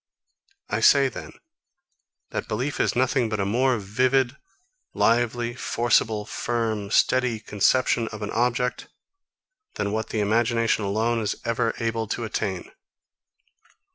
I say, then, that belief is nothing but a more vivid, lively, forcible, firm, steady conception of an object, than what the imagination alone is ever able to attain.